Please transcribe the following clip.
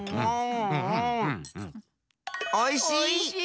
おいしい！